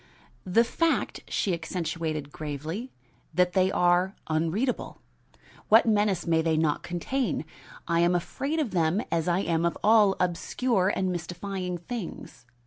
"The fact," she accentuated gravely, "that they are unreadable. What menace may they not contain? I am afraid of them, as I am of all obscure and mystifying things."